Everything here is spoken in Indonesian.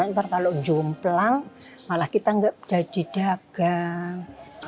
ntar kalau jomplang malah kita nggak jadi dagang